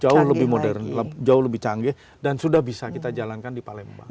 jauh lebih modern jauh lebih canggih dan sudah bisa kita jalankan di palembang